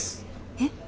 えっ？